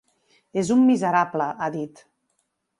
És un miserable, ha dit.